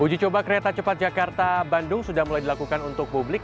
uji coba kereta cepat jakarta bandung sudah mulai dilakukan untuk publik